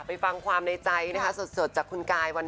ไปฟังความในใจสดจากคุณกาย